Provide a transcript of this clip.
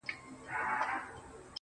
دا موسیقي نه ده جانانه، دا سرگم نه دی.